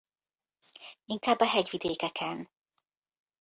Inkább a hegyvidékeken.